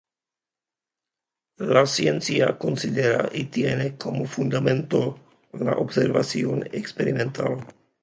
La ciencia considera y tiene como fundamento la observación experimental.